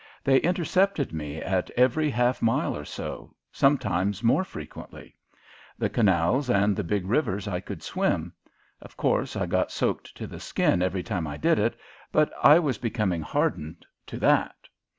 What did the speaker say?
They intercepted me at every half mile or so, sometimes more frequently. The canals and the big rivers I could swim. Of course, I got soaked to the skin every time I did it, but I was becoming hardened to that.